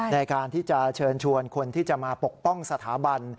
ในการที่จะเชิญชวนคนที่จะมาปกป้องสถาบัน